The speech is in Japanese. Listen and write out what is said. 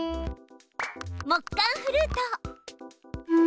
木管フルート。